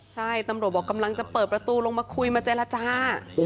ใช่ตำรวจบอกกำลังจะเปิดประตูลงมาคุยมาเจรจา